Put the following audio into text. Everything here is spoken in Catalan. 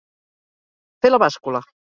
Fer la bàscula.